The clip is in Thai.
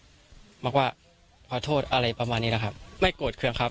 บอกว่าขอโทษอะไรประมาณนี้นะครับไม่โกรธเครื่องครับ